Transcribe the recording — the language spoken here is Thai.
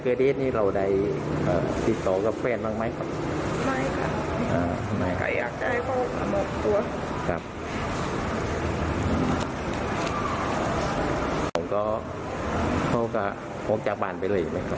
ก็สอบพยานไปแล้วโดยเฉพาะนางวันดีภรรยาของผู้เสียชีวิตนะคะ